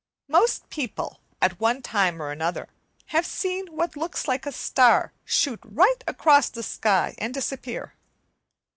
Most people, at one time or another, have seen what looks like a star shoot right across the sky, and disappear.